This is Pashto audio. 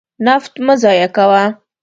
نفت مه ضایع کوه.